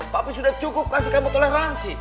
tapi sudah cukup kasih kamu toleransi